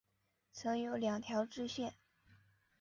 曾有两条支线。